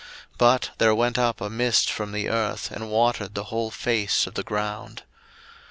01:002:006 But there went up a mist from the earth, and watered the whole face of the ground.